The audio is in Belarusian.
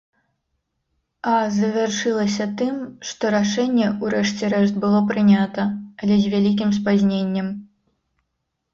А завяршылася тым, што рашэнне ў рэшце рэшт было прынята, але з вялікім спазненнем.